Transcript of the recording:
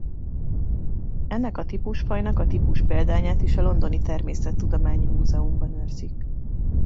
Ennek a típusfajnak a típuspéldányát is a londoni Természettudományi Múzeumban őrzik.